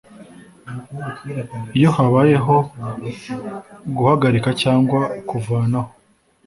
Iyo habayeho guhagarika cyangwa kuvanaho